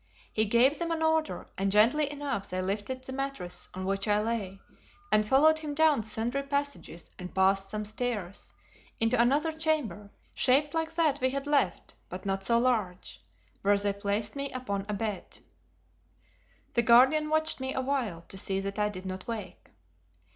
He gave them an order, and gently enough they lifted the mattress on which I lay and followed him down sundry passages and past some stairs into another chamber shaped like that we had left, but not so large, where they placed me upon a bed. The Guardian watched me awhile to see that I did not wake.